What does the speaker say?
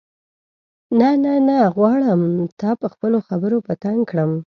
نه نه نه غواړم تا په خپلو خبرو په تنګ کړم.